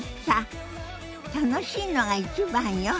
楽しいのが一番よ。